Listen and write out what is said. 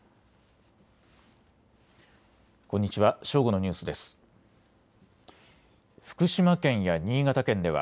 こんにちは。